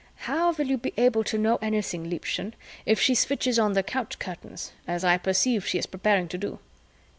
"How will you be able to know anything, Liebchen, if she switches on the couch curtains, as I perceive she is preparing to do?"